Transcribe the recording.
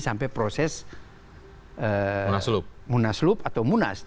sampai proses munaslup atau munas